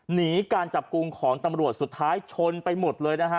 หนีการจับกลุ่มของตำรวจสุดท้ายชนไปหมดเลยนะฮะ